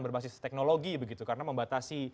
berbasis teknologi begitu karena membatasi